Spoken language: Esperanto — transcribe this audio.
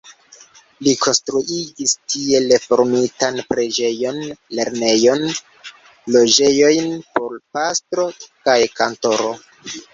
Li konstruigis tie reformitan preĝejon, lernejon, loĝejojn por pastro kaj kantoro.